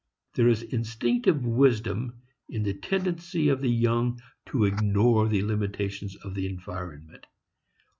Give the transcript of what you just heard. There is instinctive wisdom in the tendency of the young to ignore the limitations of the environment.